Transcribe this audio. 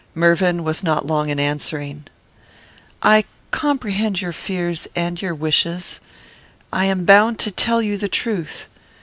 Mervyn was not long in answering: "I comprehend your fears and your wishes. I am bound to tell you the truth.